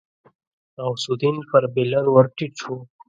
غوث الدين پر بېلر ور ټيټ شو.